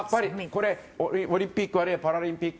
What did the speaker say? オリンピックあるいはパラリンピック